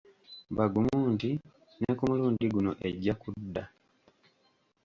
Bagumu nti ne ku mulundi guno ejja kudda.